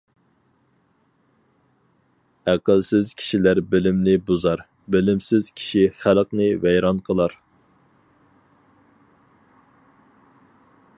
ئەقىلسىز كىشىلەر بىلىمنى بۇزار، بىلىمسىز كىشى خەلقنى ۋەيران قىلار.